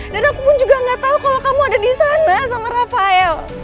dan aku pun juga gak tahu kalau kamu ada di sana sama rafael